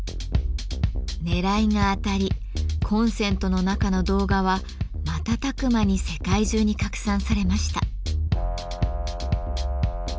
ねらいが当たりコンセントの中の動画は瞬く間に世界中に拡散されました。